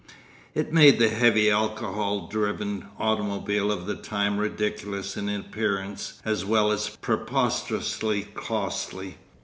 It made the heavy alcohol driven automobile of the time ridiculous in appearance as well as preposterously costly.